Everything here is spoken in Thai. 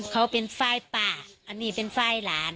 เขาเป็นไฟล์ป้าอันนี้เป็นไฟล์หลาน